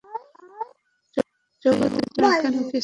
জগতে যাই হোক না কেন, কিছুতেই তাঁর কোপ উৎপন্ন করতে পারে না।